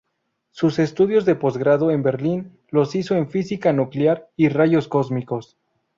Sus estudios de posgrado en Berlín los hizo en física nuclear y rayos cósmicos.